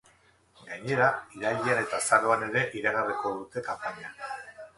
Gainera, irailean eta azaroan ere iragarriko dute kanpaina.